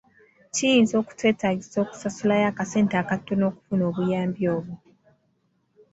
Kiyinza okukwetaagisa okusasulayo akasente akatono okufuna obuyambi obwo.